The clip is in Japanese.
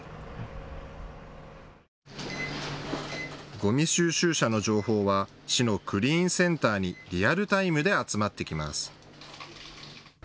ゴミ収集車の情報は市のクリーンセンターにリアルタイムで集まってきます。